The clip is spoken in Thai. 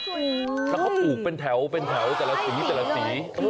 แล้วเขาปลูกเป็นแถวเป็นแถวแต่ละสีแต่ละสี